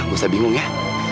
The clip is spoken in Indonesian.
gak usah bingung ya